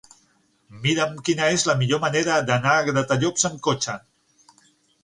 Mira'm quina és la millor manera d'anar a Gratallops amb cotxe.